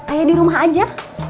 ayo di rumah aja